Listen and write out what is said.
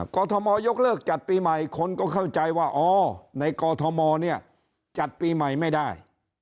กรทมยกเลิกจัดปีใหม่คนก็เข้าใจว่าอ๋อในกอทมเนี่ยจัดปีใหม่ไม่ได้